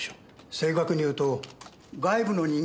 正確に言うと外部の人間による失火。